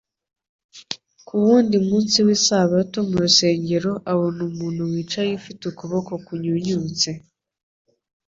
Ku wundi munsi w'isabato mu rusengero abona umuntu wicaye ufite ukuboho kunyunyutse.